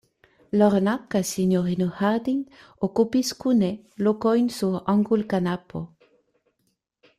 Lorna kaj sinjorino Harding okupis kune lokojn sur angulkanapo.